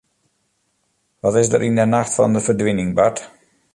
Wat is der yn 'e nacht fan de ferdwining bard?